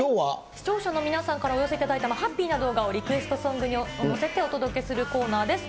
視聴者の皆さんからお寄せいただいたハッピーな動画をリクエストソングに乗せて、お届けするコーナーです。